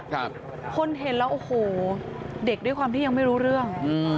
คนเห็นแล้วโอ้โหเด็กด้วยความที่ยังไม่รู้เรื่องอืม